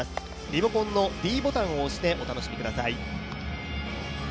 リモコンのｄボタンを押してお楽しみください。